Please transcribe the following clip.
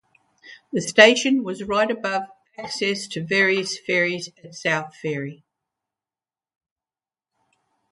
The station was right above access to various ferries at South Ferry.